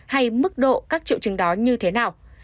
hay mức độ các triệu chứng đó như thế nào